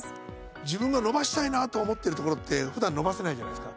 自分が伸ばしたいなと思ってるところって普段伸ばせないじゃないですか。